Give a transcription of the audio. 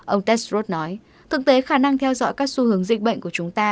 ông testrot nói thực tế khả năng theo dõi các xu hướng dịch bệnh của chúng ta